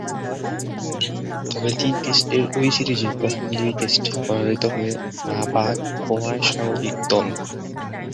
তবে, তিন টেস্টের ঐ সিরিজের প্রথম দুই টেস্টে পরাজিত হয়ে রাবার খোঁয়ায় স্বাগতিক দল।